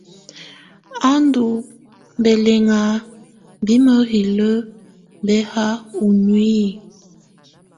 A ndù bɛlɛʼŋa bi mǝhilǝ bɛhaa u nuiyi.